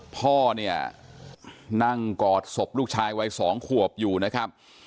พ่อเนี่ยนั่งกอดศพลูกชายวัย๒ขวบอยู่นะครับ